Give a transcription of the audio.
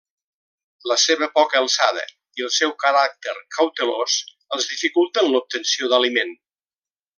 La seva poca alçada i el seu caràcter cautelós els dificulten l'obtenció d'aliment.